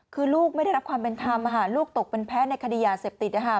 คือลูกไม่ได้รับความเป็นธรรมลูกตกเป็นแพ้ในคดียาเสพติด